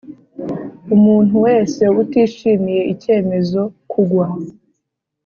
Umuntu wese utishimiye icyemezo kugwa